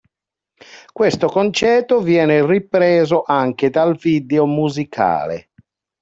Questo concetto viene ripreso anche dal video musicale.